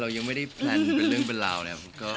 เรายังไม่ได้แผนปันเรื่องเบลาเลยครับ